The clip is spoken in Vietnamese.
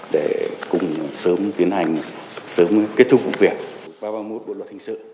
để cùng sớm tiến hành sớm kết thúc vụ việc